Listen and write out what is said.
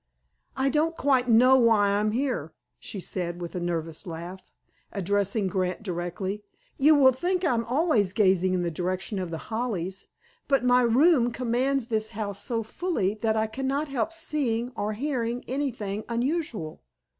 "I don't quite know why I'm here," she said, with a nervous laugh, addressing Grant directly. "You will think I am always gazing in the direction of The Hollies, but my room commands this house so fully that I cannot help seeing or hearing anything unusual.